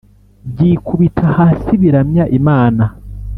byikubita hasi biramya Imana